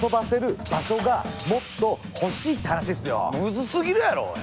難すぎるやろおい！